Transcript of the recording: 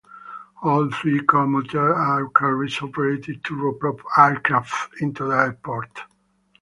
All three commuter air carriers operated turboprop aircraft into the airport.